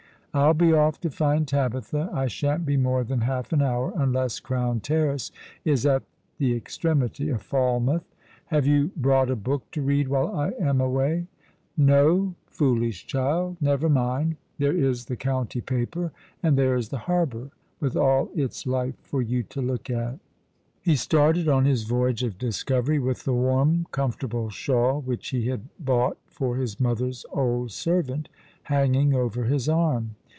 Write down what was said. I'll be off to find Tabitha. I shan't be more than half an hour, unless Crown Terrace is at the ex tremity of Falmouth. Have you brought a book to read while I am away ? No, foolish child. Never mind. There is the county paper, and there is the harbour, with all its life, for you to look at." '' Look thi'ough mine Eyes with thine!' 95 He started on his voj^age of discovery, with the warm, com fortable shawl which ho had bought for his mother's old servant hanging over his arm.